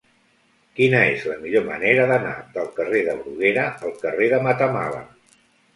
Quina és la millor manera d'anar del carrer de Bruguera al carrer de Matamala?